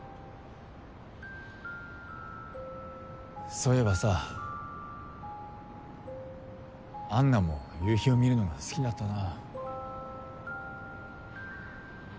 そういえばさ安奈も夕日を見るのが好きだったな。